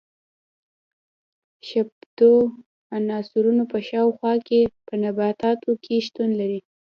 شپیتو عنصرونو په شاوخوا کې په نباتاتو کې شتون لري.